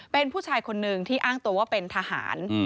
เป็นผู้ชายคนหนึ่งที่อ้างตัวว่าเป็นทหาร